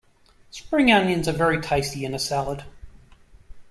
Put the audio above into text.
Spring onions are very tasty in a salad